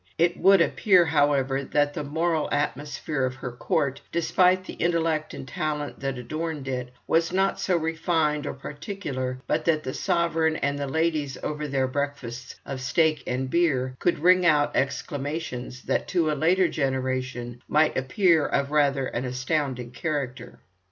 It would appear, however, that the moral atmosphere of her court, despite the intellect and talent that adorned it, was not so refined or particular but that the sovereign and the ladies over their breakfasts of steaks and beer could ring out exclamations that to a later generation might appear of rather an astounding character.